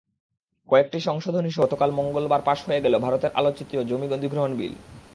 কয়েকটি সংশোধনীসহ গতকাল মঙ্গলবার পাস হয়ে গেল ভারতের আলোচিত জমি অধিগ্রহণ বিল।